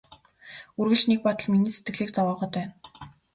Үргэлж нэг бодол миний сэтгэлийг зовоогоод байна.